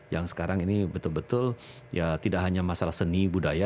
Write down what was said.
yang sekarang ini betul betul ya tidak hanya masalah seni budaya